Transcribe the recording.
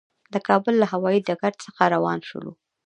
د کابل له هوایي ډګر څخه روان شولو.